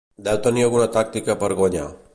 Deu tenir alguna tàctica per guanyar.